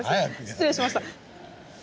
失礼しました。